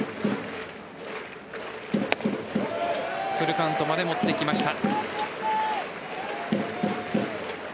フルカウントまで持っていきました。